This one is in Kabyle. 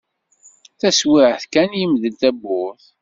Taswiɛt kan, yemdel tawwurt.